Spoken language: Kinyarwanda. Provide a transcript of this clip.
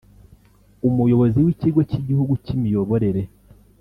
Umuyobozi w’Ikigo cy’Igihugu cy’imiyoborere